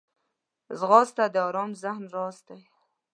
ځغاسته د ارام ذهن راز دی